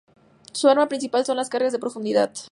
Su arma principal son las cargas de profundidad.